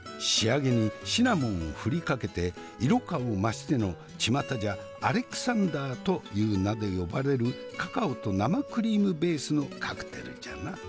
仕上げにシナモンを振りかけて色香を増してのちまたじゃアレクサンダーという名で呼ばれるカカオと生クリームベースのカクテルじゃな。